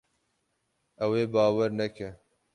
Ew ê bawer neke.